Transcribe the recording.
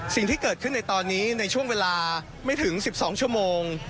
สิ่งที่เกิดขึ้นในตอนนี้ในช่วงเวลาไม่ถึง๑๒ชั่วโมง